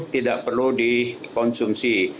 tidak perlu dikonsumsi